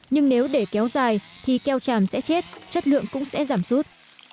nhưng nếu để kéo dài thì keo tràm sẽ chết chất lượng cũng sẽ giảm sút